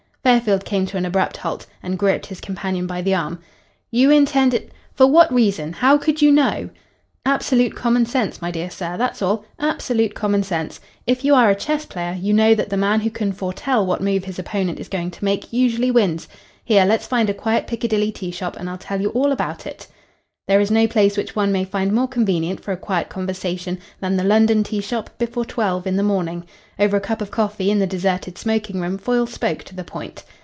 Fairfield came to an abrupt halt and gripped his companion by the arm. "You intended For what reason? How could you know?" "Absolute common sense, my dear sir. That's all. Absolute common sense. If you are a chess player, you know that the man who can foretell what move his opponent is going to make usually wins. Here, let's find a quiet Piccadilly tea shop and I'll tell you all about it." There is no place which one may find more convenient for a quiet conversation than the London tea shop before twelve in the morning. Over a cup of coffee in the deserted smoking room Foyle spoke to the point.